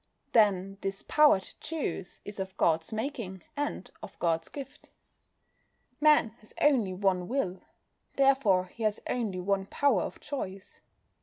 Then, this "power to choose" is of God's making and of God's gift. Man has only one will, therefore he has only one "power of choice."